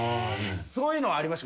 そういうのはありました。